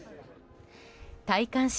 戴冠式